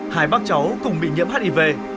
hai bác cháu cũng bị nhiễm hiv